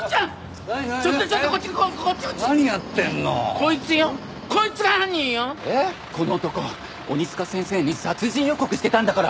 この男鬼塚先生に殺人予告してたんだから！